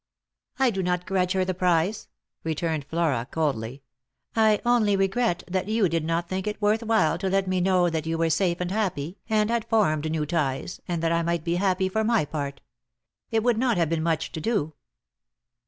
" I do not grudge her the prize," returned Flora coldly. " I only regret that you did not think it worth while to let me know that you were safe and happy, and had formed new ties, and that I might be happy for my part. It would not have been much to do."